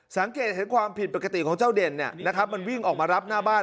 สังเกตเห็นความผิดปกติของเจ้าเด่นมันวิ่งออกมารับหน้าบ้าน